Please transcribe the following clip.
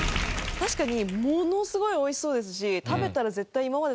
確かに。